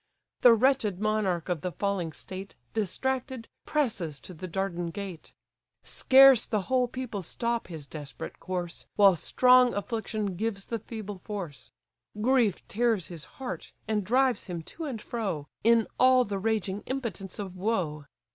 The wretched monarch of the falling state, Distracted, presses to the Dardan gate. Scarce the whole people stop his desperate course, While strong affliction gives the feeble force: Grief tears his heart, and drives him to and fro, In all the raging impotence of woe.